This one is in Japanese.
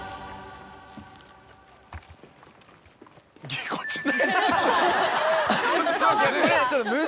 ぎこちない。